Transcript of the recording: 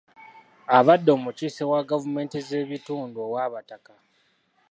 Abadde omukiise wa gavumenti z'ebitundu ow'abataka.